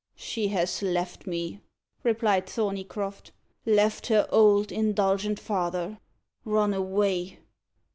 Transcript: "She has left me," replied Thorneycroft "left her old indulgent father run away."